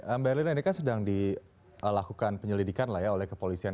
mbak erlina ini kan sedang dilakukan penyelidikan lah ya oleh kepolisian